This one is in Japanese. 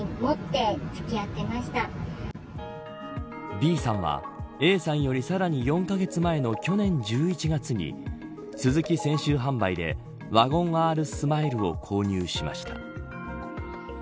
ＢさんはＡさんよりさらに４カ月前の去年１１月にスズキ泉州販売でワゴンＲスマイルを購入しました。